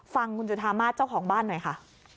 ฟังคุณจุธามาศเจ้าของบ้านหน่อยค่ะ